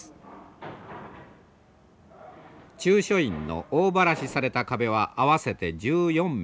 中書院の大ばらしされた壁は合わせて１４面。